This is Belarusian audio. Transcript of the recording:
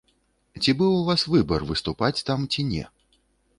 Ці быў у вас выбар, выступаць там ці не?